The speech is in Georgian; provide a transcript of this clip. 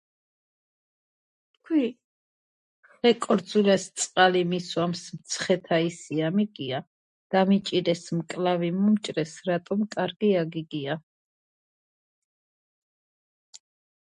ისინი დაუფლებული იყვნენ სააფთიაქო და სამკურნალო საქმეს, ფლობდნენ სამოქალაქო დისციპლინებს: ისტორიას, ქიმიას, ფიზიკას, მხატვრობას.